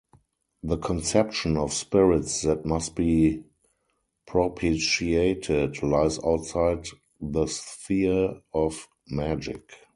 The conception of spirits that must be propitiated lies outside the sphere of magic.